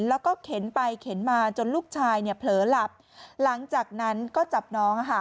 แล้วก็เข็นไปเข็นมาจนลูกชายเนี่ยเผลอหลับหลังจากนั้นก็จับน้อง